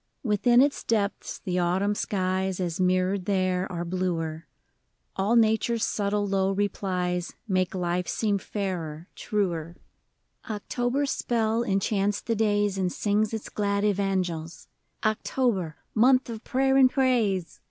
Within its depths the autumn skies, As mirrored there, are bluer; All nature's subtle, low replies Make life seem fairer, truer; lOI AN OCTOBER BIRTHDAY. October's spell enchants the days And sings its glad evangels, October — Month of Prayer and Praise